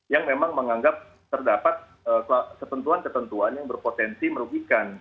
yang memang menganggap terdapat ketentuan ketentuan yang berpotensi merugikan